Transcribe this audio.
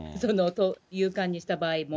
有観にした場合も。